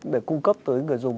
để cung cấp tới người dùng